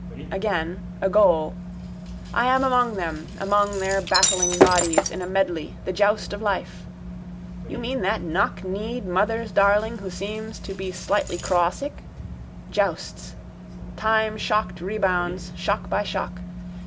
Again: a goal. I am among them, among their battling bodies in a medley, the joust of life. You mean that knockkneed mother's darling who seems to be slightly crawsick? Jousts. Time shocked rebounds, shock by shock.